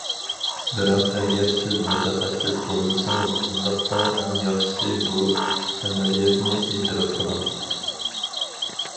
بىراق ئەگەر سىز مۇتەخەسسىس بولمىسىڭىز، ئۇنداقتا ئەڭ ياخشىسى بۇ ئەمەلىيەتنى ئېتىراپ قىلىڭ.